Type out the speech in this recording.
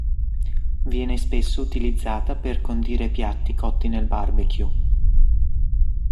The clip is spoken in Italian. Viene spesso utilizzata per condire piatti cotti nel barbecue.